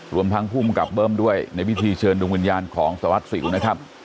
รวมทั้งภูมิกับเบิ้มด้วยในพิธีเชิญดวงวิญญาณของสารวัสสิวนะครับ